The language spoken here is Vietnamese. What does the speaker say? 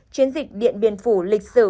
chiến dịch điện biên phủ lịch sử